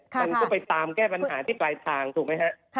มันก็ไปตามแก้ปัญหาที่ปลายทางถูกไหมฮะ